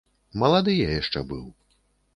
Малады я яшчэ быў.